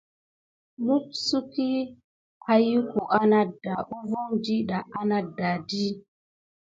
Mopsukdi ahiku anaɗa uvon ɗiɗa á naɗa di.